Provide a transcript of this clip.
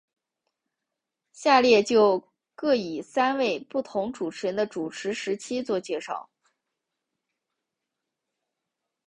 下列就各以三位不同主持人的主持时期做介绍。